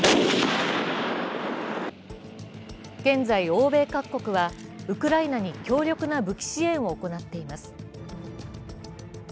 現在、欧米各国はウクライナに強力な武器支援を行っています。